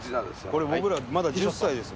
これ僕らまだ１０歳です。